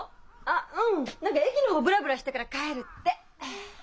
あっうん何か駅の方ブラブラしてから帰るって。